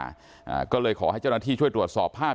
อ่าก็เลยขอให้เจ้าหน้าที่ช่วยตรวจสอบภาพ